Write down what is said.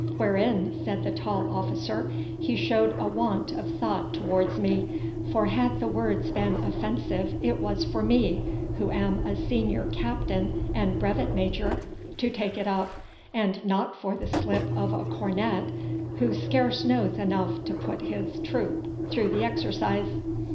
'Wherein,' said the tall officer, 'he showed a want of thought towards me, for had the words been offensive it was for me, who am a senior captain and brevet major, to take it up, and not for a slip of a cornet, who scarce knows enough to put his troop through the exercise.